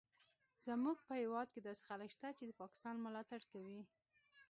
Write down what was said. زموږ په هیواد کې داسې خلک شته چې د پاکستان ملاتړ کوي